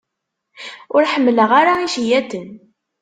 Ur ḥemmleɣ ara iceyyaten.